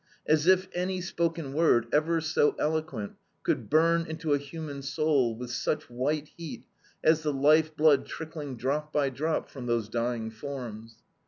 As if any spoken word, ever so eloquent, could burn into a human soul with such white heat as the life blood trickling drop by drop from those dying forms.